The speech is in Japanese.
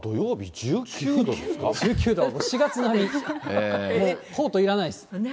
１９度は４月並み、もう、コートいらないです。